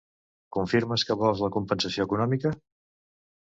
Confirmes que vols la compensació econòmica?